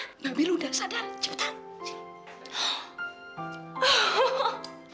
sini mami lu udah sadar cepetan sini